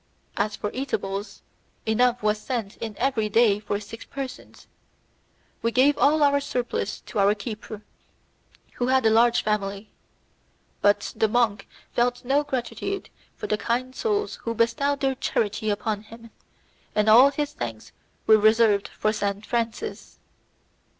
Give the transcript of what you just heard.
As for eatables, enough was sent in every day for six persons; we gave all our surplus to our keeper, who had a large family. But the monk felt no gratitude for the kind souls who bestowed their charity upon him; all his thanks were reserved for Saint Francis.